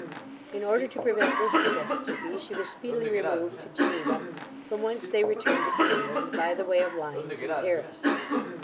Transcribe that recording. In order to prevent this catastrophe, she was speedily removed to Geneva, from whence they returned to England by the way of Lyons and Paris.